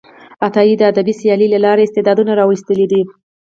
عطایي د ادبي سیالۍ له لارې استعدادونه راویستلي دي.